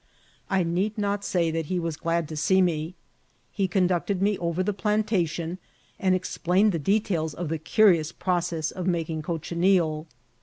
I need not say that he was glad to see me. He oonducted me oyer the plantation, and explained the details of the outions process of making cochineal.